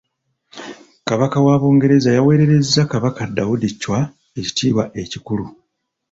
Kabaka wa Bungereza yaweerereza Kabaka Daudi Chwa ekitiibwa ekikulu.